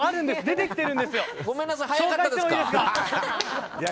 出てきてるんです。